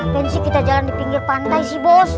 bos apaan sih kita jalan di pinggir pantai bos